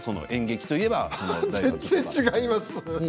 全然違います。